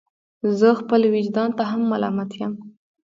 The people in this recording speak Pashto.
زه خپل ویجدان ته هم ملامت یم.